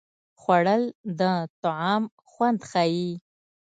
خوړل د طعام خوند ښيي